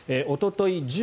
おととい